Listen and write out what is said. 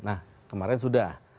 nah kemarin sudah